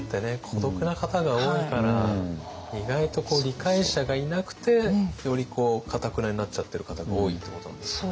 孤独な方が多いから意外とこう理解者がいなくてよりかたくなになっちゃってる方が多いってことなんですかね。